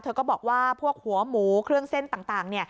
ก็บอกว่าพวกหัวหมูเครื่องเส้นต่าง